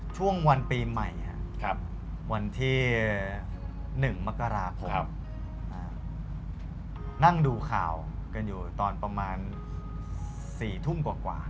ช่วงวันปีใหม่วันที่๑มกราคมนั่งดูข่าวกันอยู่ตอนประมาณ๔ทุ่มกว่า